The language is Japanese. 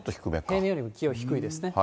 平年よりも気温低いですね。